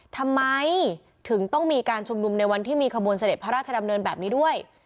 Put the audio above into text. ทำไมถึงต้องมีการชุมนุมในวันที่มีขบวนเสด็จพระราชดำเนินแบบนี้ด้วย